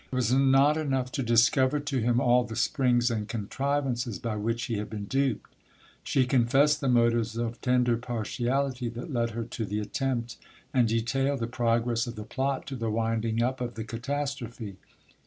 It was not enough to discover to him all the springs and contrivances by which he had been duped ; she confessed the motives of tender partiality that led her to the attempt, and detailed the progress of the plot to the winding up of the catastrophe.